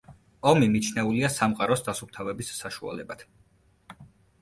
ომი მიჩნეულია სამყაროს დასუფთავების საშუალებად.